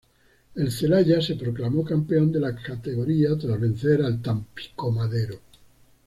El Celaya se proclamó campeón de la categoría tras vencer al Tampico Madero.